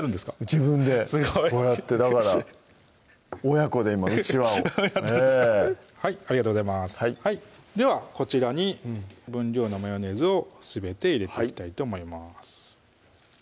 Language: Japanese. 自分でこうやってだから親子で今うちわをはいありがとうございますではこちらに分量のマヨネーズをすべて入れていきたいと思います